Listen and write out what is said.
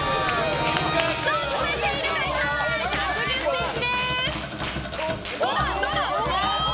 続いて、犬飼さん１１０ｃｍです。